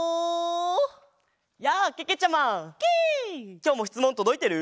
きょうもしつもんとどいてる？